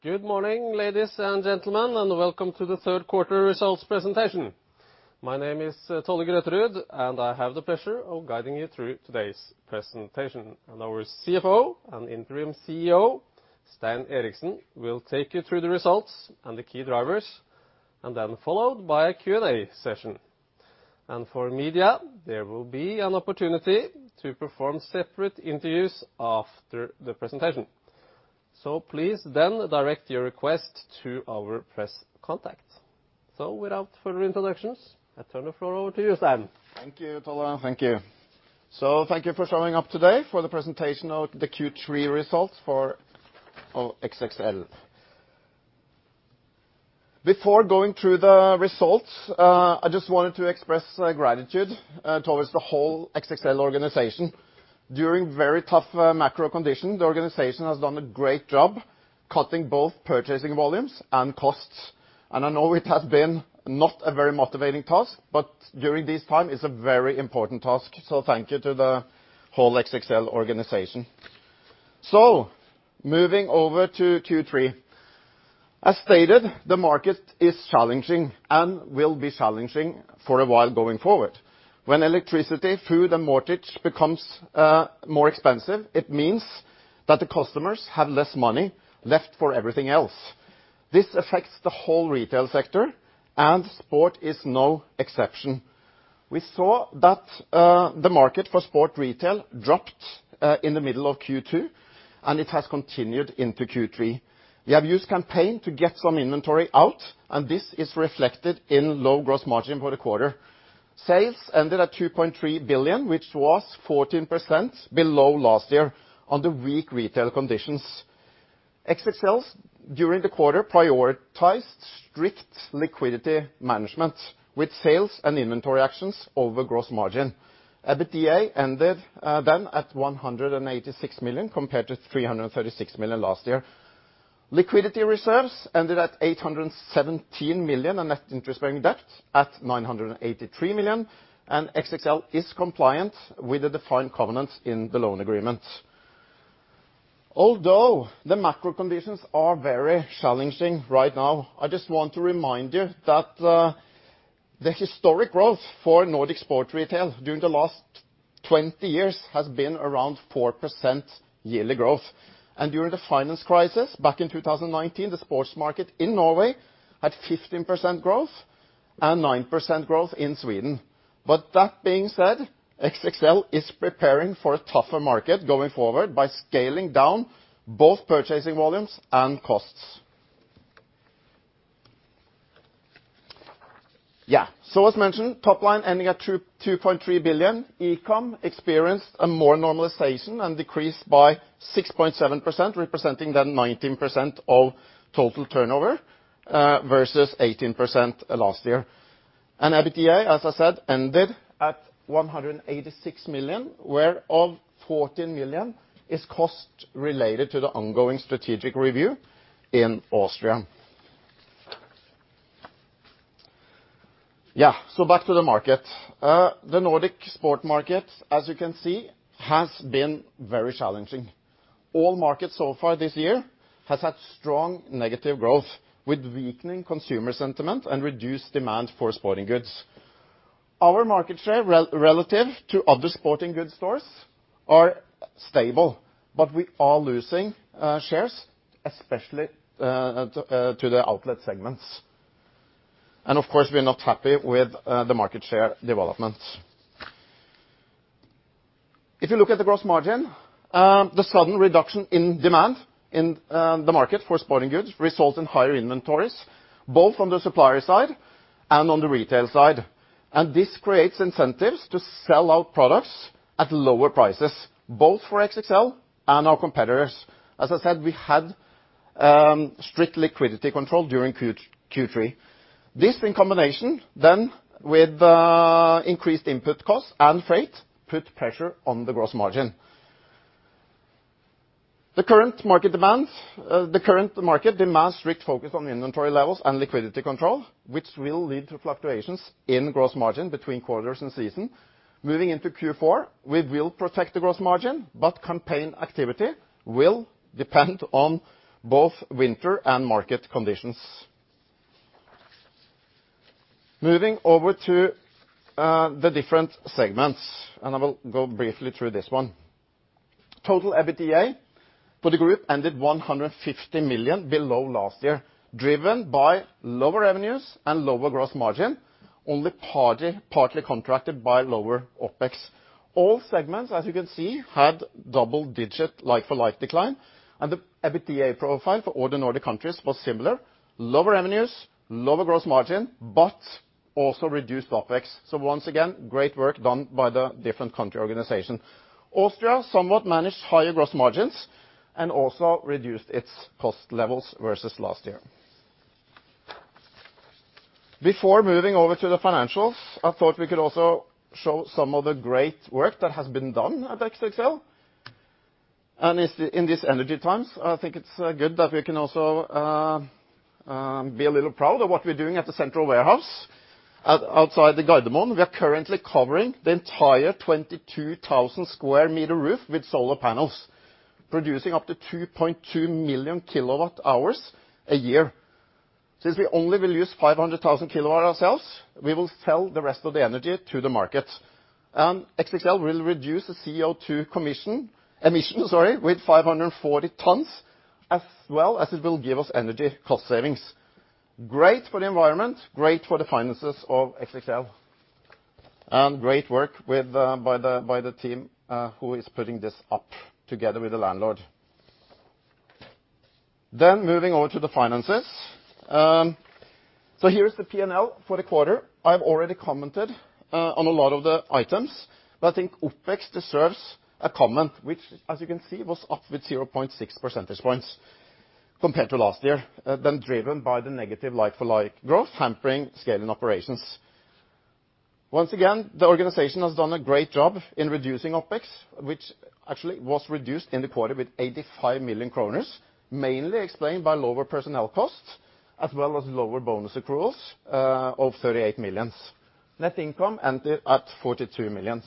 Good morning, ladies and gentlemen, and Welcome to the Third Quarter Results Presentation. My name is Tolle Grøterud, and I have the pleasure of guiding you through today's presentation. Our CFO and Interim CEO, Stein Eriksen, will take you through the results and the key drivers and then followed by a Q&A session. For media, there will be an opportunity to perform separate interviews after the presentation. Please then direct your request to our press contact. Without further introductions, I turn the floor over to you, Stein. Thank you, Tolle. Thank you. Thank you for showing up today for the presentation of the Q3 results for, of XXL. Before going through the results, I just wanted to express gratitude towards the whole XXL organization. During very tough macro conditions, the organization has done a great job cutting both purchasing volumes and costs. I know it has been not a very motivating task, but during this time, it's a very important task. Thank you to the whole XXL organization. Moving over to Q3. As stated, the market is challenging and will be challenging for a while going forward. When electricity, food, and mortgage becomes more expensive, it means that the customers have less money left for everything else. This affects the whole retail sector, and sport is no exception. We saw that, the market for sport retail dropped, in the middle of Q2, and it has continued into Q3. We have used campaign to get some inventory out, and this is reflected in low gross margin for the quarter. Sales ended at 2.3 billion, which was 14% below last year on the weak retail conditions. XXL, during the quarter, prioritized strict liquidity management with sales and inventory actions over gross margin. EBITDA ended, then at 186 million compared to 336 million last year. Liquidity reserves ended at 817 million, and net interest-bearing debt at 983 million, and XXL is compliant with the defined covenants in the loan agreement. Although the macro conditions are very challenging right now, I just want to remind you that the historic growth for Nordic sport retail during the last 20 years has been around 4% yearly growth. During the financial crisis back in 2019, the sports market in Norway had 15% growth and 9% growth in Sweden. That being said, XXL is preparing for a tougher market going forward by scaling down both purchasing volumes and costs. As mentioned, top line ending at 2.3 billion. E-com experienced a more normalization and decreased by 6.7%, representing then 19% of total turnover versus 18% last year. EBITDA, as I said, ended at 186 million, whereof 14 million is cost related to the ongoing strategic review in Austria. Back to the market. The Nordic sport market, as you can see, has been very challenging. All markets so far this year has had strong negative growth with weakening consumer sentiment and reduced demand for sporting goods. Our market share relative to other sporting goods stores are stable, but we are losing shares, especially, to the outlet segments. Of course, we're not happy with the market share development. If you look at the gross margin, the sudden reduction in demand in the market for sporting goods result in higher inventories, both from the supplier side and on the retail side. This creates incentives to sell out products at lower prices, both for XXL and our competitors. As I said, we had strict liquidity control during Q3. This in combination with increased input costs and freight put pressure on the gross margin. The current market demands strict focus on inventory levels and liquidity control, which will lead to fluctuations in gross margin between quarters and season. Moving into Q4, we will protect the gross margin, but campaign activity will depend on both winter and market conditions. Moving over to the different segments, I will go briefly through this one. Total EBITDA for the group ended 150 million below last year, driven by lower revenues and lower gross margin, only partly contracted by lower OpEx. All segments, as you can see, had double-digit like for like decline, and the EBITDA profile for all the Nordic countries was similar. Lower revenues, lower gross margin, but also reduced OpEx. Once again, great work done by the different country organization. Austria somewhat managed higher gross margins and also reduced its cost levels versus last year. Before moving over to the financials, I thought we could also show some of the great work that has been done at XXL. In these energy times, I think it's good that we can also be a little proud of what we're doing at the central warehouse outside Gardermoen. We are currently covering the entire 22,000 square meter roof with solar panels, producing up to 2.2 million kWh a year. Since we only will use 500,000 kWh ourselves, we will sell the rest of the energy to the market. XXL will reduce the CO2 emission with 540 tons as well as it will give us energy cost savings. Great for the environment, great for the finances of XXL, and great work by the team who is putting this together with the landlord. Moving on to the finances. So here is the P&L for the quarter. I've already commented on a lot of the items, but I think OpEx deserves a comment, which as you can see, was up with 0.6 percentage points compared to last year, being driven by the negative like for like growth hampering scale and operations. Once again, the organization has done a great job in reducing OpEx, which actually was reduced in the quarter with 85 million kroner, mainly explained by lower personnel costs as well as lower bonus accruals of 38 million. Net income ended at 42 million.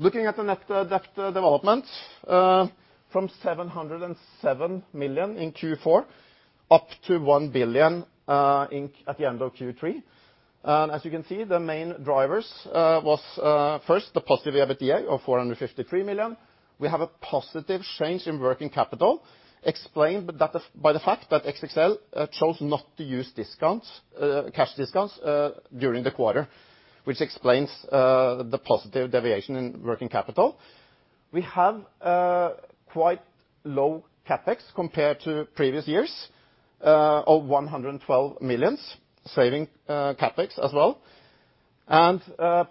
Looking at the net debt development from 707 million in Q4 up to 1 billion at the end of Q3. As you can see, the main drivers was first the positive EBITDA of 453 million. We have a positive change in working capital explained by the fact that XXL chose not to use discounts, cash discounts during the quarter, which explains the positive deviation in working capital. We have quite low CapEx compared to previous years of 112 million, saving CapEx as well.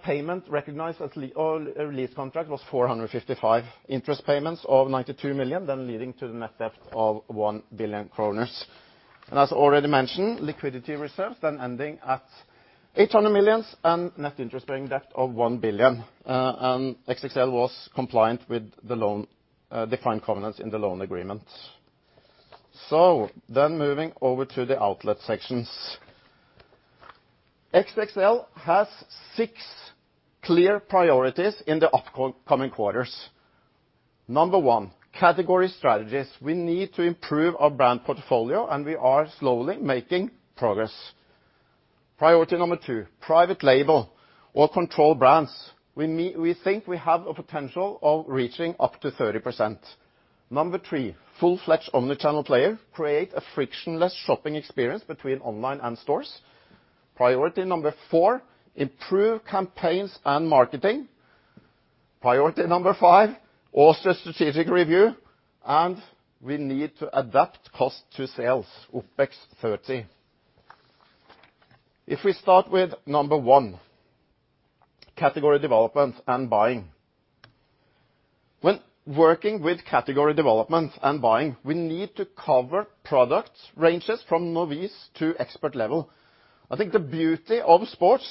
Payment recognized as lease contract was 455 million, interest payments of 92 million, then leading to the net debt of 1 billion kroner. As already mentioned, liquidity reserves then ending at 800 million and net interest-bearing debt of 1 billion. XXL was compliant with the loan-defined covenants in the loan agreement. Moving over to the outlet sections. XXL has six clear priorities in the upcoming quarters. Number one, category strategies. We need to improve our brand portfolio, and we are slowly making progress. Priority number two, private label or control brands. We think we have a potential of reaching up to 30%. Number three, full-fledged omni-channel player create a frictionless shopping experience between online and stores. Priority number four, improve campaigns and marketing. Priority number five, also strategic review, and we need to adapt cost to sales, OpEx 30. If we start with number one, category development and buying. When working with category development and buying, we need to cover product ranges from novice to expert level. I think the beauty of sports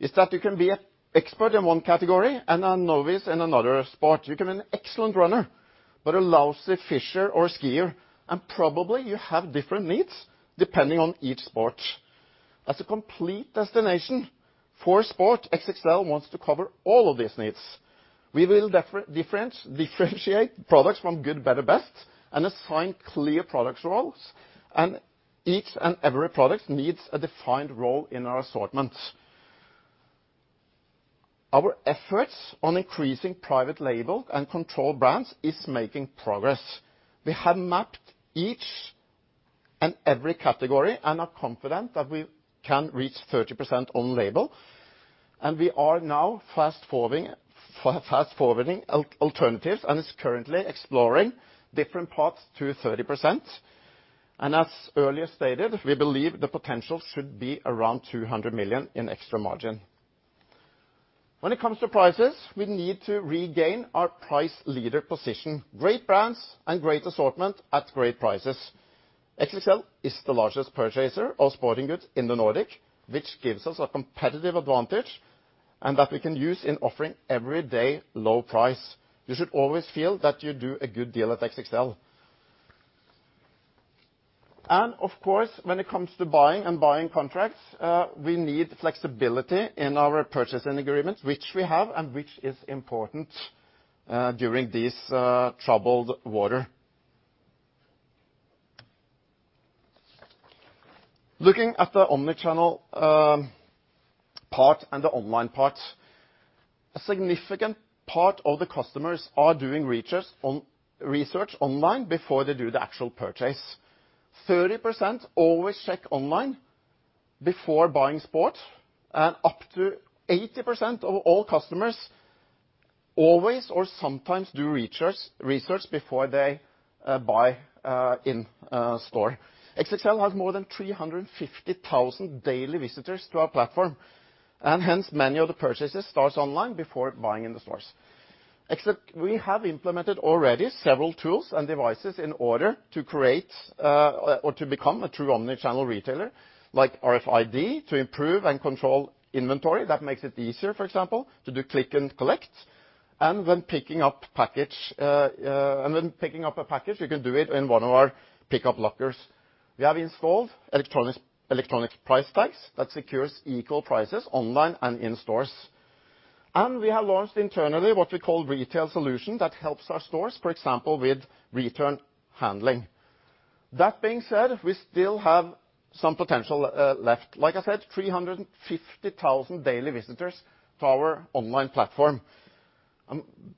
is that you can be an expert in one category and a novice in another sport. You can be an excellent runner, but a lousy fisher or skier, and probably you have different needs depending on each sport. As a complete destination for sport, XXL wants to cover all of these needs. We will differentiate products from good, better, best and assign clear product roles and each and every product needs a defined role in our assortment. Our efforts on increasing private label and control brands is making progress. We have mapped each and every category and are confident that we can reach 30% own label, and we are now fast-forwarding alternatives and is currently exploring different paths to 30%. As earlier stated, we believe the potential should be around 200 million in extra margin. When it comes to prices, we need to regain our price leader position. Great brands and great assortment at great prices. XXL is the largest purchaser of sporting goods in the Nordic, which gives us a competitive advantage and that we can use in offering everyday low price. You should always feel that you do a good deal at XXL. Of course, when it comes to buying and buying contracts, we need flexibility in our purchasing agreements, which we have and which is important during these troubled waters. Looking at the omni-channel part and the online part, a significant part of the customers are doing research online before they do the actual purchase. 30% always check online before buying sports, and up to 80% of all customers always or sometimes do research before they buy in store. XXL has more than 350,000 daily visitors to our platform, and hence, many of the purchases starts online before buying in the stores. We have implemented already several tools and devices in order to create or to become a true omni-channel retailer, like RFID to improve and control inventory that makes it easier, for example, to do click and collect. When picking up a package, you can do it in one of our pickup lockers. We have installed electronic price tags that secures equal prices online and in stores. We have launched internally what we call Retail solution that helps our stores, for example, with return handling. That being said, we still have some potential, left, like I said, 350,000 daily visitors to our online platform.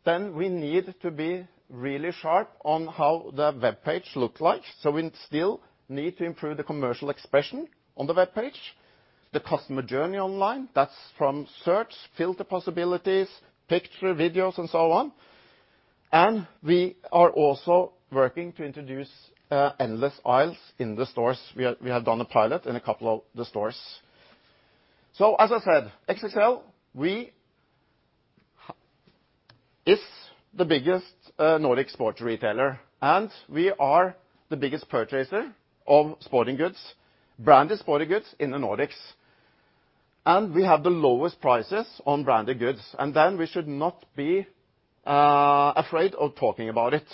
We need to be really sharp on how the webpage look like. We still need to improve the commercial expression on the webpage. The customer journey online, that's from search, filter possibilities, picture, videos and so on. We are also working to introduce endless aisles in the stores. We have done a pilot in a couple of the stores. As I said, XXL is the biggest Nordic sports retailer and we are the biggest purchaser of sporting goods, branded sporting goods in the Nordics. We have the lowest prices on branded goods. We should not be afraid of talking about it.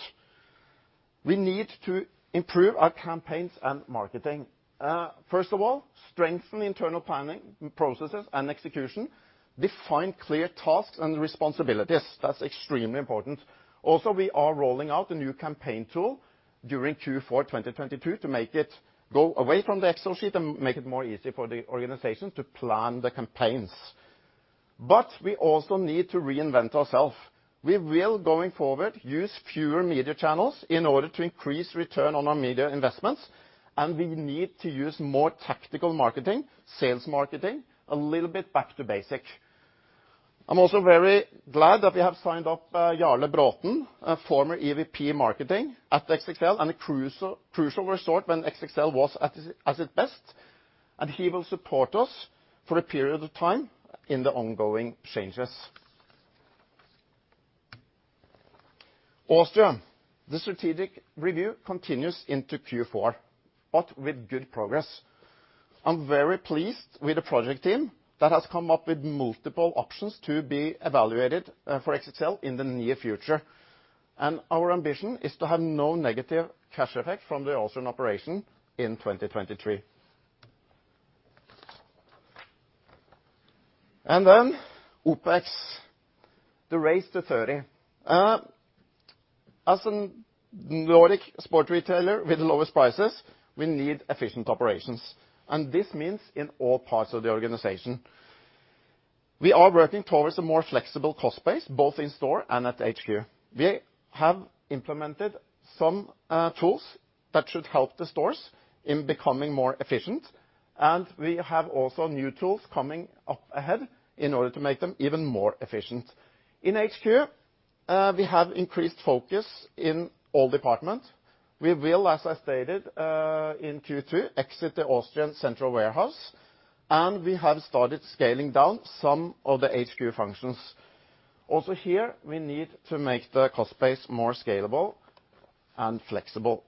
We need to improve our campaigns and marketing. First of all, strengthen internal planning processes and execution, define clear tasks and responsibilities. That's extremely important. Also, we are rolling out a new campaign tool during Q4 2022 to make it go away from the Excel sheet and make it more easy for the organization to plan the campaigns. We also need to reinvent ourselves. We will, going forward, use fewer media channels in order to increase return on our media investments, and we need to use more tactical marketing, sales marketing a little bit back to basics. I'm also very glad that we have signed up, Jarle Bråten, a former EVP marketing at XXL and a crucial resource when XXL was at its best, and he will support us for a period of time in the ongoing changes. Austria. The strategic review continues into Q4, but with good progress. I'm very pleased with the project team that has come up with multiple options to be evaluated for XXL in the near future, and our ambition is to have no negative cash effect from the Austrian operation in 2023. OpEx. The race to 30%. As a Nordic sport retailer with the lowest prices, we need efficient operations and this means in all parts of the organization. We are working towards a more flexible cost base, both in store and at HQ. We have implemented some tools that should help the stores in becoming more efficient, and we have also new tools coming up ahead in order to make them even more efficient. In HQ, we have increased focus in all departments. We will, as I stated, in Q2, exit the Austrian Central Warehouse and we have started scaling down some of the HQ functions. Also here, we need to make the cost base more scalable and flexible.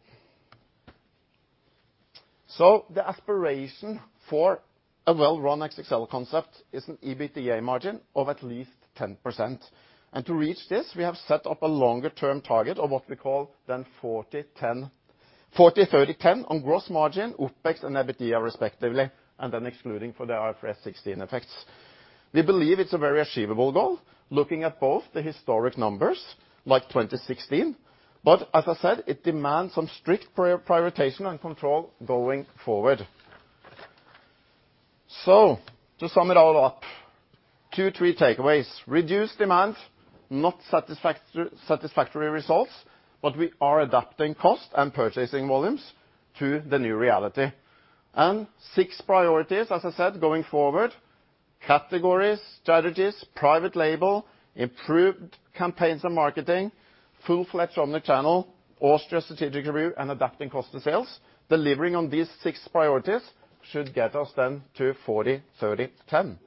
The aspiration for a well-run XXL concept is an EBITDA margin of at least 10%. To reach this, we have set up a longer term target of what we call 40/30/10 on gross margin, OpEx and EBITDA respectively, and then excluding the IFRS 16 effects. We believe it's a very achievable goal, looking at both the historic numbers like 2016. As I said, it demands some strict prioritization and control going forward. To sum it all up, two, three takeaways. Reduced demand, not satisfactory results, but we are adapting cost and purchasing volumes to the new reality. Six priorities, as I said, going forward. Categories, strategies, private label, improved campaigns and marketing, full-fledged omni-channel, Austria strategic review and adapting cost to sales. Delivering on these six priorities should get us then to 40/30/10.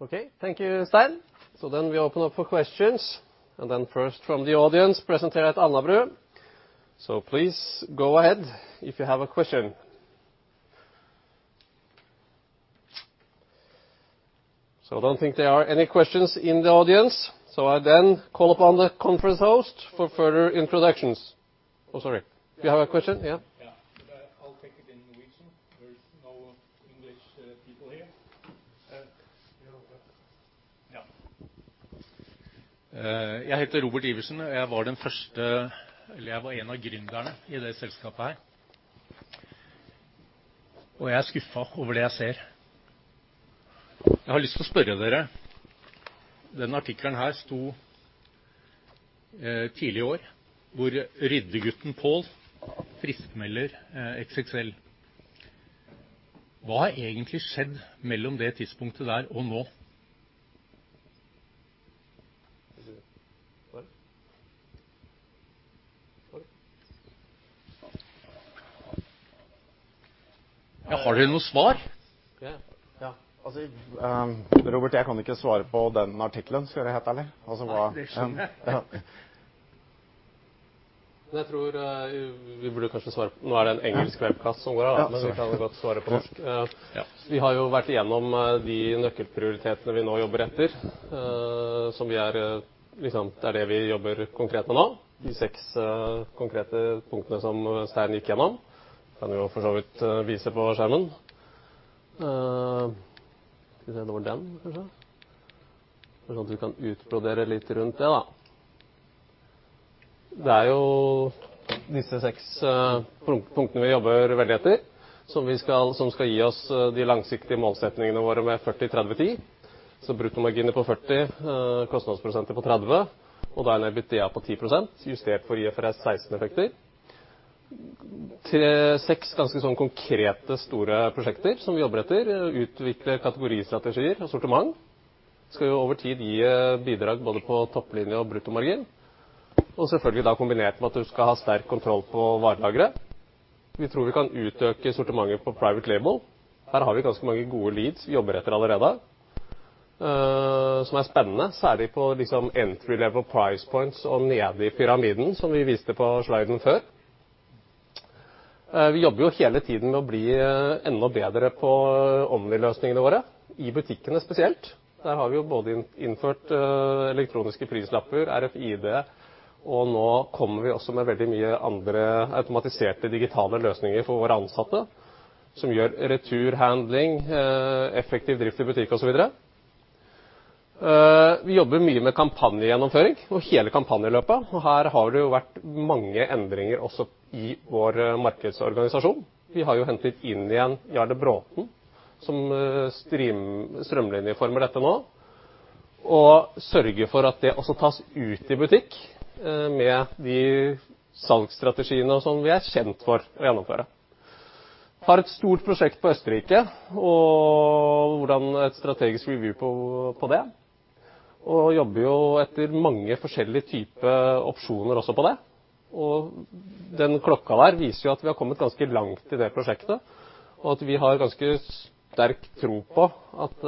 Okay. Thank you, Stein. We open up for questions and then first from the audience present here at Alnabru. Please go ahead if you have a question. I don't think there are any questions in the audience. I then call upon the conference host for further introductions. Oh, sorry. You have a question? Yeah. Yeah. I'll take it in Norwegian. There is no English people here. Yeah. Okay. Yeah. Jeg tror vi burde kanskje svare. Nå er det en engelsk webcast som går, men vi kan godt svare på norsk. Ja, vi har jo vært igjennom de nøkkel prioritetene vi nå jobber etter, som vi er liksom det vi jobber konkret med nå. De 6 konkrete punktene som Stein gikk gjennom kan jo for så vidt vise på skjermen. Skal vi se om det var den kanskje. Sånn at vi kan utbrodere litt rundt det da. Det er jo disse 6 punktene vi jobber veldig etter som vi skal, som skal gi oss de langsiktige målsettingene våre med 40-30-10. Så bruttomarginen på 40, kostnadsprosenten på 30 og EBITDA på 10% justert for IFRS 16 effekter. De 6 ganske konkrete store prosjekter som vi jobber etter. Utvikle kategoristrategier og sortiment skal jo over tid gi bidrag både på topplinje og bruttomargin, og selvfølgelig da kombinert med at du skal ha sterk kontroll på varelageret. Vi tror vi kan utøke sortimentet på private label. Her har vi ganske mange gode leads vi jobber etter allerede, som er spennende, særlig på liksom entry level price points og nede i pyramiden som vi viste på sliden før. Vi jobber jo hele tiden med å bli enda bedre på omni-løsningene våre i butikkene spesielt. Der har vi jo både innført elektroniske prislapper, RFID, og nå kommer vi også med veldig mye andre automatiserte digitale løsninger for våre ansatte som gjør retur handling effektiv drift i butikk og så videre. Vi jobber mye med kampanjegjennomføring og hele kampanjeløpet, og her har det jo vært mange endringer også i vår markedsorganisasjon. Vi har jo hentet inn igjen Jarle Bråten som strømlinjeformer dette nå og sørger for at det også tas ut i butikk med de salgsstrategiene som vi er kjent for å gjennomføre. Har et stort prosjekt på Østerrike og hvordan et strategisk review på det. Jobber jo etter mange forskjellige typer opsjoner også på det. Den klokka der viser jo at vi har kommet ganske langt i det prosjektet, og at vi har ganske sterk tro på at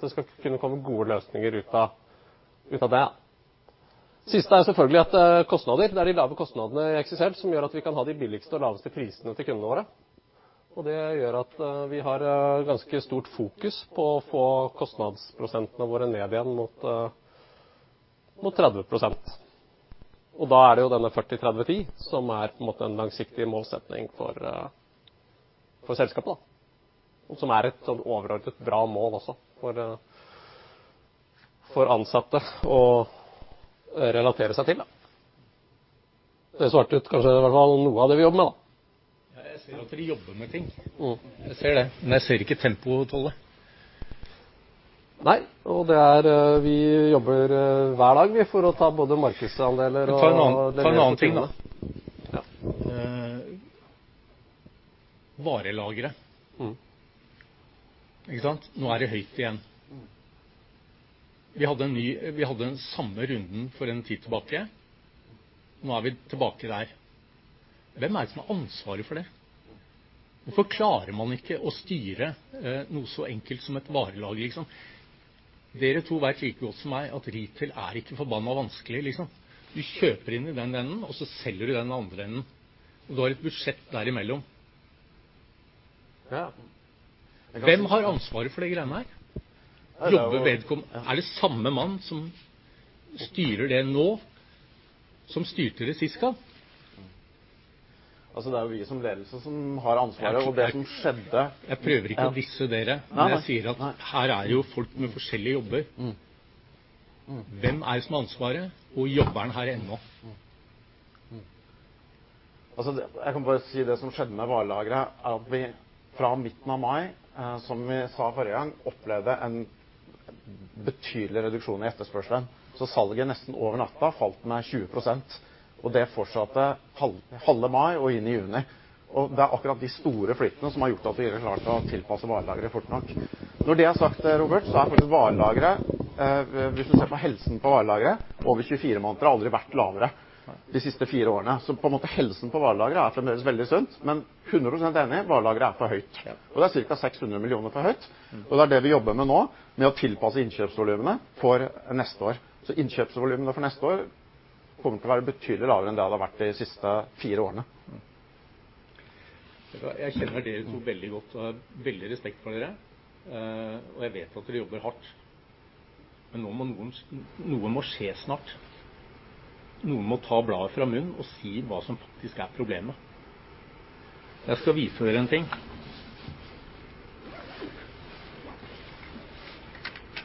det skal kunne komme gode løsninger ut av det. Det siste er selvfølgelig at kostnadene det er de lave kostnadene i XXL som gjør at vi kan ha de billigste og laveste prisene til kundene våre. Det gjør at vi har ganske stort fokus på å få kostnadsprosenten våre ned igjen mot 30%. Er det jo denne 40-30-10 som er på en måte en langsiktig målsetting for selskapet. Som er et overordnet bra mål også for ansatte å relatere seg til. Det svarer på kanskje i hvert fall noe av det vi jobber med. Ja, jeg ser at dere jobber med ting. Mm. Jeg ser det, men jeg ser ikke tempoet holde. Nei, det er vi jobber hver dag for å ta både markedsandeler og Få en annen ting da. Ja. Varelageret. Mm. Ikke sant. Nå er det høyt igjen. Mm. Vi hadde den samme runden for en tid tilbake. Nå er vi tilbake der. Hvem er det som har ansvaret for det? Hvorfor klarer man ikke å styre noe så enkelt som et varelager liksom? Dere to vet like godt som meg at retail er ikke forbanna vanskelig liksom. Du kjøper inn i den enden og så selger du i den andre enden, og du har et budsjett derimellom. Ja. Hvem har ansvaret for de greiene her? Er det samme mann som styrer det nå som styrte det sist gang? Altså, det er jo vi som ledelse som har ansvaret og det som skjedde. Jeg prøver ikke å disse dere. Nei, nei. Jeg sier at her er jo folk med forskjellige jobber. Mm. Hvem er det som har ansvaret og jobber han her ennå? Mm. Altså, jeg kan bare si det som skjedde med varelageret er at vi fra midten av mai, som vi sa forrige gang, opplevde en betydelig reduksjon i etterspørselen. Salget nesten over natta falt med 20%, og det fortsatte halv mai og inn i juni. Det er akkurat de store flyttene som har gjort at vi ikke har klart å tilpasse varelageret fort nok. Når det er sagt, Robert, så er faktisk varelageret, hvis du ser på helsen på varelageret over 24 måneder, har aldri vært lavere de siste 4 årene. På en måte helsen på varelageret er fremdeles veldig sunt, men 100% enig. Varelageret er for høyt, og det er cirka 600 millioner for høyt. Det er det vi jobber med nå med å tilpasse innkjøpsvolumene for neste år. Innkjøpsvolumene for neste år kommer til å være betydelig lavere enn det har vært de siste fire årene. Jeg kjenner dere to veldig godt og har veldig respekt for dere, og jeg vet at dere jobber hardt. Nå noe må skje snart. Noen må ta bladet fra munnen og si hva som faktisk er problemet. Jeg skal vise dere en ting.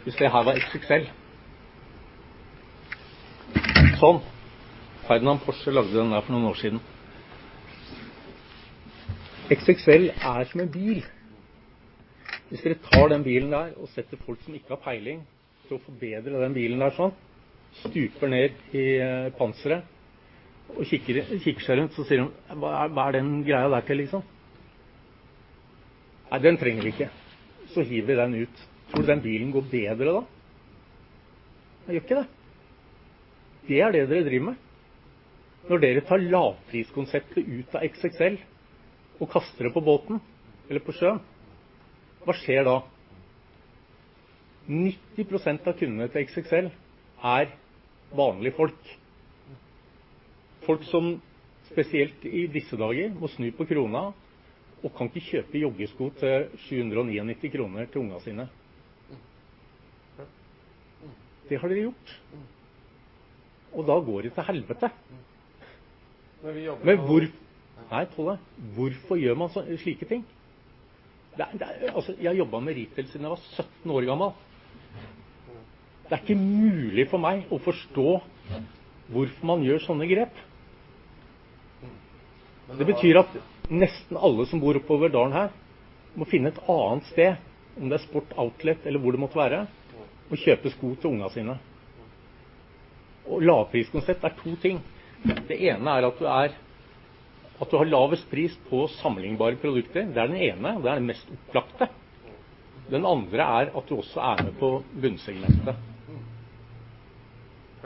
Hvis det her var XXL. Sånn Ferdinand Porsche lagde den der for noen år siden. XXL er som en bil. Hvis dere tar den bilen der og setter folk som ikke har peiling til å forbedre den bilen der sånn, stuper ned i panseret og kikker seg rundt. Så sier de "hva er den greia der til liksom? Nei, den trenger vi ikke." Så hiver vi den ut. Tror den bilen går bedre da? Nei, gjør ikke det. Det er det dere driver med når dere tar lavpriskonseptet ut av XXL og kaster det på båten eller på sjøen. Hva skjer da? 90 prosent av kundene til XXL er vanlige folk. Folk som spesielt i disse dager må snu på krona og kan ikke kjøpe joggesko til 790 kroner til ungene sine. Det har dere gjort, og da går det til helvete. Vi jobber. Nei, Tolle. Hvorfor gjør man slike ting? Det er, altså, jeg jobbet med detalj siden jeg var 17 år gammel. Det er ikke mulig for meg å forstå hvorfor man gjør sånne grep. Det betyr at nesten alle som bor oppover dalen her må finne et annet sted, om det er Sport Outlet eller hvor det måtte være, og kjøpe sko til ungene sine. Lavpriskonsept er to ting. Det ene er at du er, at du har lavest pris på sammenlignbare produkter. Det er den ene, og det er det mest opplagte. Den andre er at du også er med på bunnsegmentet.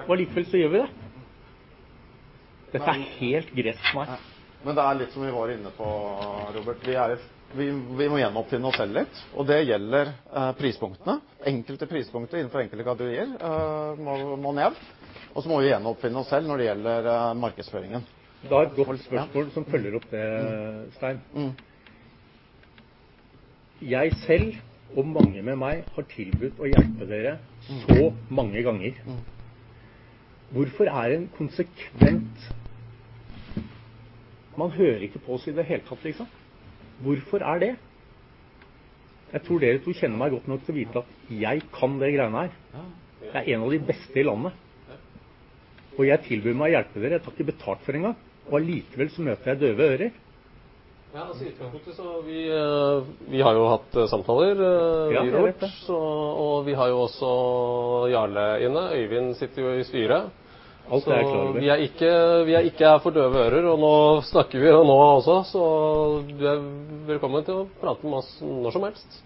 Likevel så gjør vi det. Dette er helt grepsløst for meg. Det er litt som vi var inne på, Robert. Vi må gjenoppfinne oss selv litt, og det gjelder prispunktene. Enkelte prispunkter innenfor enkelte kategorier må ned. Så må vi gjenoppfinne oss selv når det gjelder markedsføringen. Det er et godt spørsmål som følger opp det, Stein. Mm. Jeg selv og mange med meg har tilbudt å hjelpe dere så mange ganger. Man hører ikke på oss i det hele tatt, liksom. Hvorfor er det? Jeg tror dere to kjenner meg godt nok til å vite at jeg kan de greiene her. Jeg er en av de beste i landet, og jeg tilbyr meg å hjelpe dere. Jeg tar ikke betalt for en gang, og allikevel så møter jeg døve ører. Ja, så vidt jeg vet så vi har jo hatt samtaler, vi to. Ja, vi har det. Vi har jo også Jarle inne. Øivind sitter jo i styret. Alt er klarlagt. Vi er ikke her for døve ører, og nå snakker vi nå også, så du er velkommen til å prate med oss når som helst.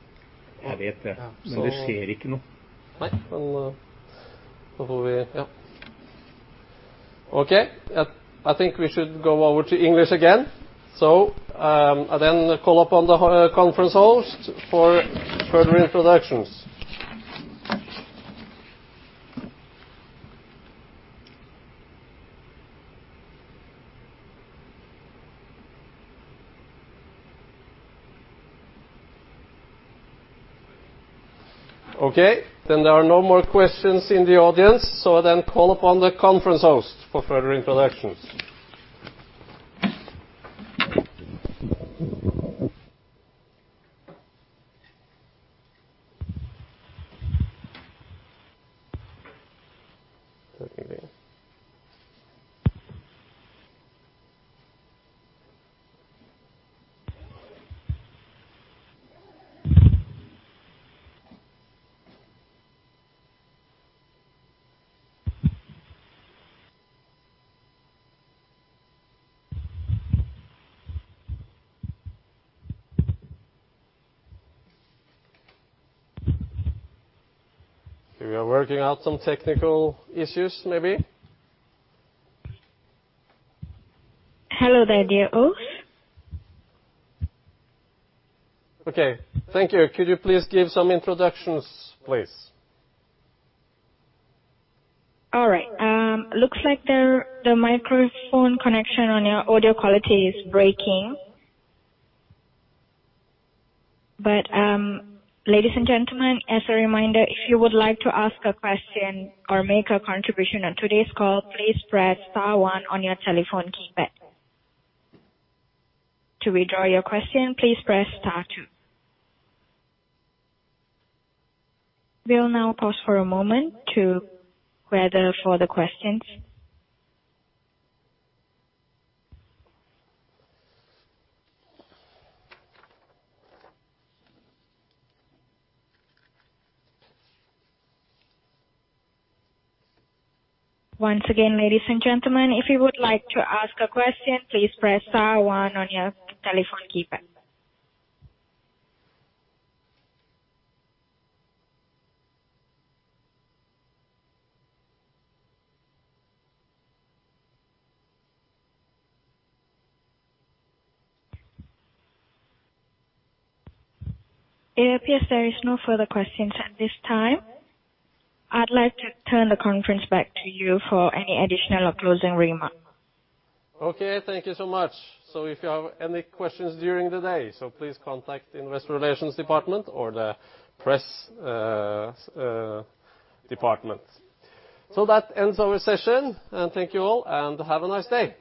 Jeg vet det, men det skjer ikke noe. Nei, men da får vi, ja. Okay, I think we should go over to English again. I then call upon the conference host for further introductions. Okay, there are no more questions in the audience, so I then call upon the conference host for further introductions. We are working out some technical issues, maybe. Hello there, dear host. Okay. Thank you. Could you please give some introductions, please? All right. Looks like the microphone connection on your audio quality is breaking. Ladies and gentlemen, as a reminder, if you would like to ask a question or make a contribution on today's call, please press star one on your telephone keypad. To withdraw your question, please press star two. We'll now pause for a moment to gather further questions. Once again, ladies and gentlemen, if you would like to ask a question, please press star one on your telephone keypad. It appears there is no further questions at this time. I'd like to turn the conference back to you for any additional closing remarks. Okay, thank you so much. If you have any questions during the day, so please contact the investor relations department or the press department. That ends our session and thank you all and have a nice day.